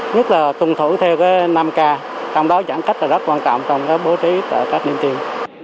nhất là tuần thủ theo năm k trong đó giãn cách rất quan trọng trong bố trí tại các điểm tiêm